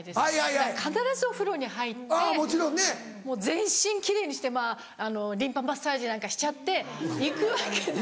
だから必ずお風呂に入ってもう全身奇麗にしてリンパマッサージなんかしちゃって行くわけです。